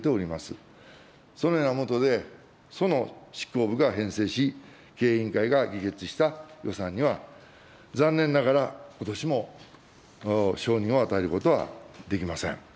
そのような下で、その執行部が編成し、経営委員会が議決した予算には、残念ながらことしも承認を与えることはできません。